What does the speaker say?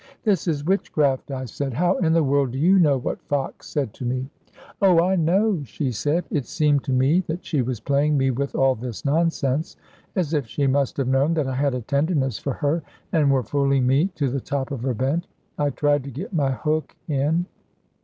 "This is witchcraft," I said. "How in the world do you know what Fox said to me?" "Oh, I know," she said. It seemed to me that she was playing me with all this nonsense as if she must have known that I had a tenderness for her and were fooling me to the top of her bent. I tried to get my hook in.